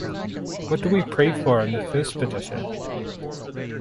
What do we pray for in the first petition?